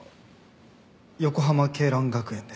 横浜恵蘭学園です。